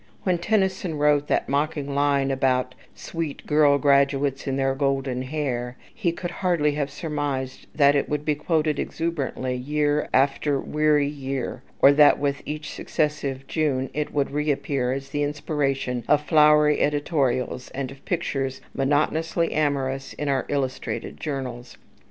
When Tennnyson wrote that mocking line about "sweet girl graduates in their golden hair," he could hardly have surmised that it would be quoted exuberantly year after weary year, or that with each successive June it would reappear as the inspiration of flowery editorials, and of pictures, monotonously amorous, in our illustrated journals.